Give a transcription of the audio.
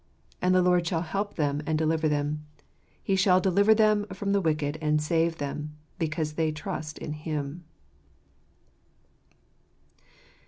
And the Lord shall help them, and deliver them ; He shall deliver them from the wicked and save them, because they trust in Him."